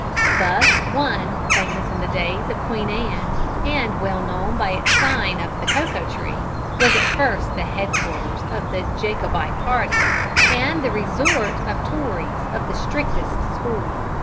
Thus one, famous in the days of Queen Anne, and well known by its sign of the "Cocoa Tree," was at first the headquarters of the Jacobite party, and the resort of Tories of the strictest school.